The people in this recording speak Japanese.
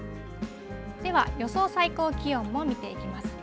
では、予想最高気温も見ていきます。